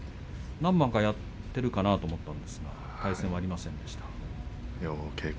何番かやっているかと思ったんですが対戦はありませんでした。